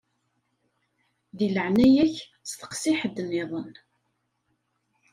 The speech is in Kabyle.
Di leɛnaya-k steqsi ḥedd-nniḍen.